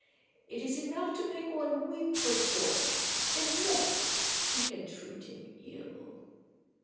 It is enough to make one weep for joy. And yet she can treat him ill."